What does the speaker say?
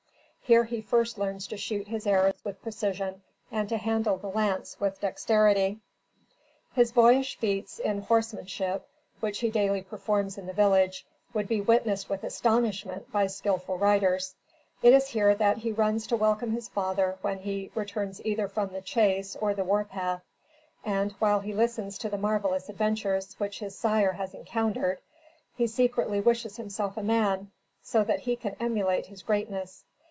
Here he first learns to shoot his arrows with precision, and to handle the lance with dexterity. His boyish feats in horsemanship, which he daily performs in the village, would be witnessed with astonishment by skillful riders. It is here that he runs to welcome his father when he returns either from the chase or the war path; and, while he listens to the marvellous adventures which his sire has encountered, he secretly wishes himself a man, so that he can emulate his greatness.